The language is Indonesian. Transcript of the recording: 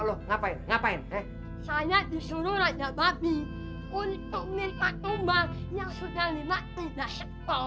lu ngapain ngapain saya disuruh raja babi untuk menempatkan yang sudah lima